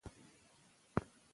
ښځه او نر ساهو او بې ساه بېلول